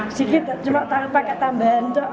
sedikit cuma pakai tambahan